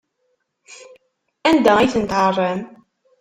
Anda ay ten-tɛerram?